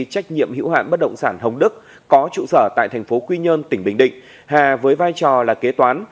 trách nhiệm hữu hạn bất động sản hồng đức có trụ sở tại thành phố quy nhơn tỉnh bình định hà với vai trò là kế toán